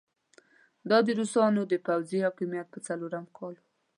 دا د روسانو د پوځي حاکميت په څلورم کال وو.